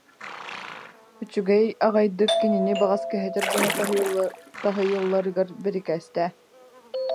Үчүгэй аҕайдык, кинини баҕас кэһэтэр гына таһыйалларыгар бирикээстээ